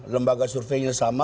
lembaga surveinya sama